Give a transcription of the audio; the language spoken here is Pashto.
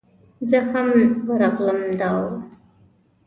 زه هم ورغلم دا و.